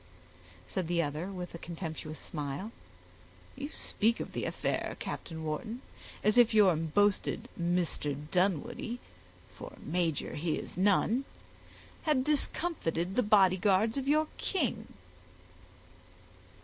said the other with a contemptuous smile. "You speak of the affair, Captain Wharton, as if your boasted Mr. Dunwoodie, for major he is none, had discomfited the bodyguards of your king."